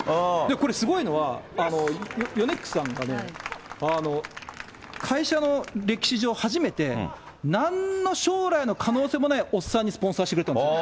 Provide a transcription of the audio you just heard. これすごいのは、ヨネックスさん、会社の歴史上初めて、なんの将来の可能性もないおっさんにスポンサーしてくれたんですよ。